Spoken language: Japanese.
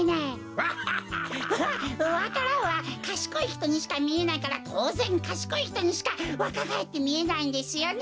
わわか蘭はかしこいひとにしかみえないからとうぜんかしこいひとにしかわかがえってみえないんですよね。